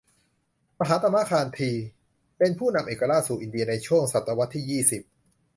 มหาตมะคานธี เป็นผู้นำเอกราชสู่อินเดียในช่วงศตวรรษที่ยี่สิบ